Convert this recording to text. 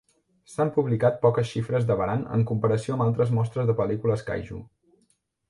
S'han publicat poques xifres de Varan en comparació amb altres mostres de pel·lícules kaiju.